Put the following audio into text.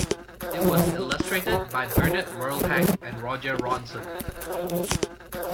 It was illustrated by Bernard Verlhac and Roger Ronsin.